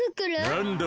なんだ？